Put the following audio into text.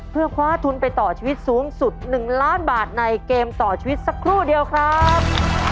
เพื่อคว้าทุนไปต่อชีวิตสูงสุด๑ล้านบาทในเกมต่อชีวิตสักครู่เดียวครับ